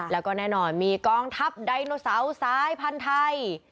แล้วก็แน่นอนมีกองทัพไดโนเสาร์สายพันธุ์ไทย